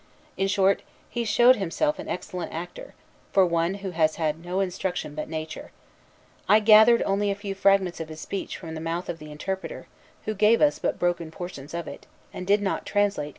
In short, he showed himself an excellent actor, for one who has had no instructor but Nature. I gathered only a few fragments of his speech from the mouth of the interpreter, who gave us but broken portions of it, and did not translate consecutively."